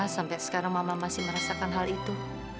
sampai sekarang mama masih merasakan hal itu